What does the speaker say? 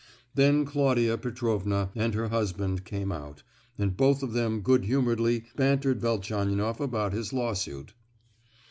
Then Claudia Petrovna and her husband came out, and both of them good humouredly bantered Velchaninoff about his lawsuit.